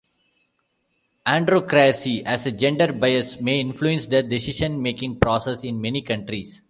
Androcracy as a gender bias may influence the decision-making process in many countries.